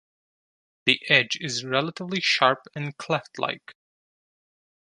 The edge is relatively sharp and cleft-like.